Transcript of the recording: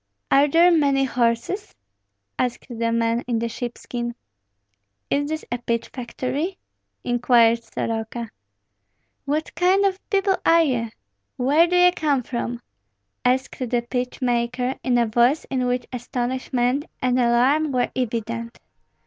"Are there many horses?" asked the man in the sheepskin. "Is this a pitch factory?" inquired Soroka. "What kind of people are ye? Where do ye come from?" asked the pitch maker, in a voice in which astonishment and alarm were evident.